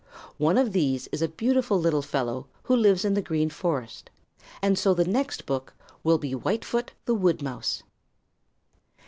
One of these is a beautiful little fellow who lives in the Green Forest, and so the next book will be Whitefoot the Wood Mouse.